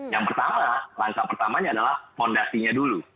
yang pertama langkah pertamanya adalah fondasinya dulu